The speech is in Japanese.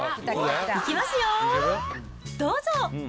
いきますよ、どうぞ。